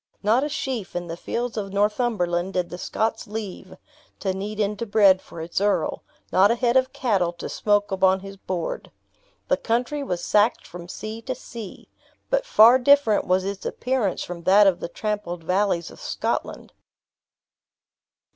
Not a sheaf in the fields of Northumberland did the Scots leave, to knead into bread for its earl; not a head of cattle to smoke upon his board. The country was sacked from sea to sea. But far different was its appearance from that of the trampled valleys of Scotland.